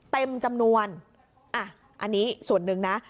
เต็มจำนวนอ่ะอันนี้ส่วนหนึ่งนะ